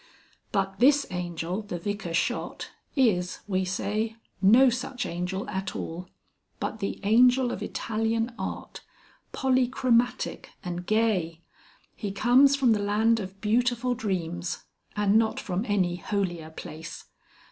But this Angel the Vicar shot is, we say, no such angel at all, but the Angel of Italian art, polychromatic and gay. He comes from the land of beautiful dreams and not from any holier place.